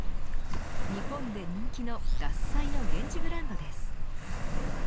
日本で人気の獺祭の現地ブランドです。